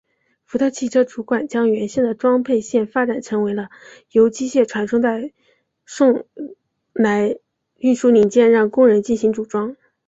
福特汽车主管将原先的装配线发展成为了由机械传送带来运输零件让工人进行组装。